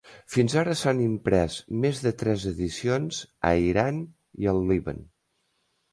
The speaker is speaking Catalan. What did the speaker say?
Fins ara s"han imprès més de tres edicions a Iran i el Líban.